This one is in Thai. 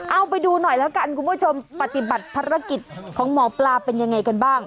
เอาไปดูหน่อยแล้วกันคุณผู้ชมปฏิบัติภารกิจของหมอปลาเป็นยังไงกันบ้าง